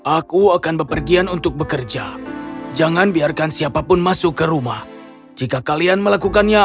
aku akan bepergian untuk bekerja jangan biarkan siapapun masuk ke rumah jika kalian melakukannya